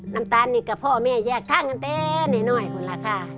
น้ำตาลนี่กับพ่อแม่แยกทางกันแต่น้อยคนละค่ะ